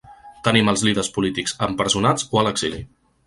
Tenim els líders polítics empresonats o a l’exili.